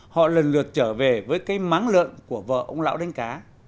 họ lần lượt trở về với cây máng lợn của vợ ông lão đánh cá